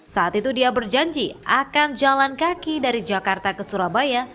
saat itu dia berjanji akan jalan kaki dari jakarta ke surabaya